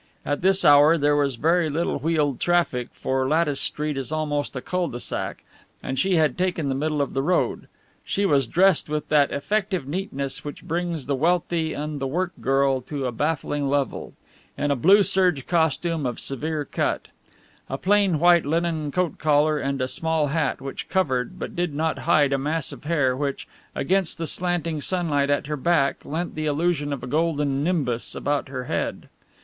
At this hour there was very little wheeled traffic, for Lattice Street is almost a cul de sac, and she had taken the middle of the road. She was dressed with that effective neatness which brings the wealthy and the work girl to a baffling level, in a blue serge costume of severe cut; a plain white linen coat collar and a small hat, which covered, but did not hide, a mass of hair which, against the slanting sunlight at her back, lent the illusion of a golden nimbus about her head.